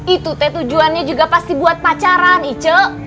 itu teh tujuannya juga pasti buat pacaran ice